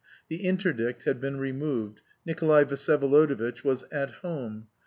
The interdict had been removed, Nikolay Vsyevolodovitch was "at home."